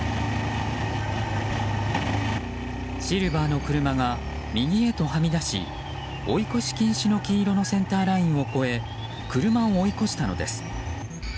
シルバーの車が右へとはみ出し追い越し禁止の黄色のセンターラインを越え車を追い越したのです。